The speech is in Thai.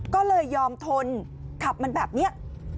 ก็เลยยอมทนขับมันแบบนี้